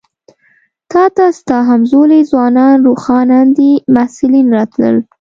تا ته ستا همزولي ځوانان روښان اندي محصلین راتلل.